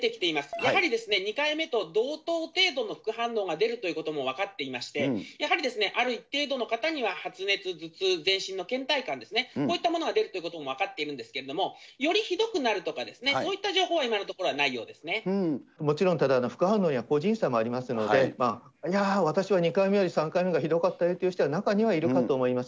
やはり２回目と同等程度の副反応が出るということも分かっていまして、やはりある程度の方には発熱、頭痛、全身のけん怠感ですね、こういったものが出ることも分かっているんですけれども、よりひどくなるとか、こういった情報は今のとこもちろん、ただ副反応には個人差もありますので、いやー、私は２回目より３回目のほうがひどかったよという人は中にはいるかと思います。